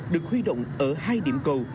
được huy động ở hai điểm cầu